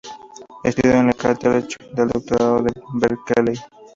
Estudió en el Caltech y se doctoró en Berkeley.